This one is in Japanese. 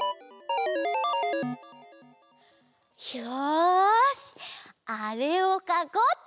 よしあれをかこうっと！